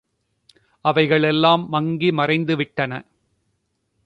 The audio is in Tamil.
அவைகள் எல்லாம் மங்கி மறைந்துவிட்டன.